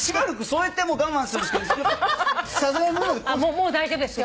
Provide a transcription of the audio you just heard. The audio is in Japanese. もう大丈夫ですよ。